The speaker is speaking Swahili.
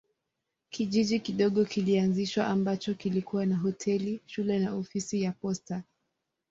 Kijiji kidogo kilianzishwa ambacho kilikuwa na hoteli, shule na ofisi ya posta.